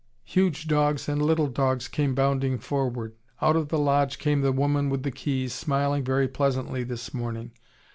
Huge dogs and little dogs came bounding forward. Out of the lodge came the woman with the keys, smiling very pleasantly this morning.